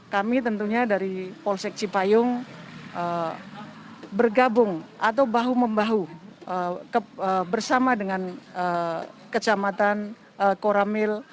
kami tentunya dari polsek cipayung bergabung atau bahu membahu bersama dengan kecamatan koramil